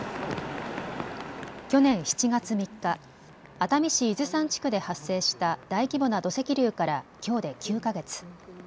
去年７月３日、熱海市伊豆山地区で発生した大規模な土石流からきょうで９か月。